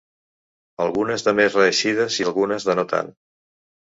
Algunes de més reeixides i algunes de no tant.